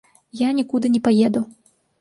Я нікуды не паеду.